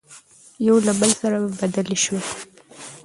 يو له بل سره بدلې شوې،